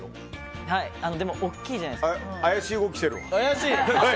でも大きいじゃないですか。